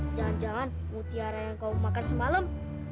jangan jangan mutiara yang kau makan semalam